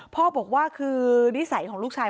พ่อบอกว่าคือนิสัยของลูกชาย